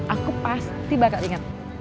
aku pasti bakal inget